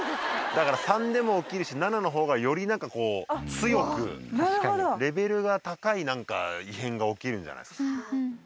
だから３でも起きるし７の方がより強くレベルが高いなんか異変が起きるんじゃないですか？